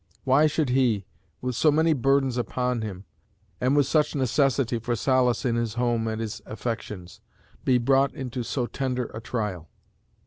Why should he, with so many burdens upon him, and with such necessity for solace in his home and his affections, be brought into so tender a trial?